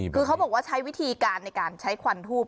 คือเขาบอกว่าใช้วิธีการในการใช้ควันทูบ